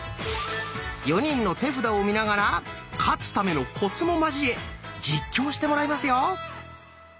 ４人の手札を見ながら「勝つためのコツ」も交え実況してもらいますよ。